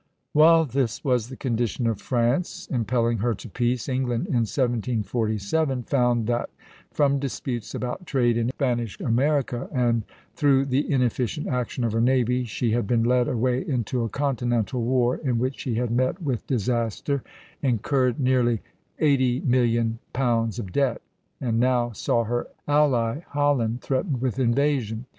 While this was the condition of France, impelling her to peace, England in 1747 found that, from disputes about trade in Spanish America and through the inefficient action of her navy, she had been led away into a continental war, in which she had met with disaster, incurred nearly £80,000,000 of debt, and now saw her ally Holland threatened with invasion.